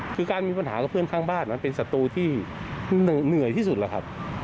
คือการมีปัญหากับเพื่อนข้างบ้านมันเป็นศัตรูที่เหนื่อยที่สุดแล้วครับ